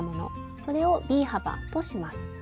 それをＢ幅とします。